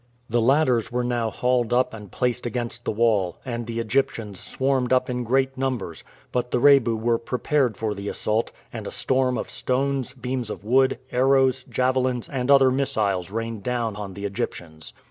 The ladders were now hauled up and placed against the wall, and the Egyptians swarmed up in great numbers; but the Rebu were prepared for the assault, and a storm of stones, beams of wood, arrows, javelins, and other missiles rained down on the Egyptians.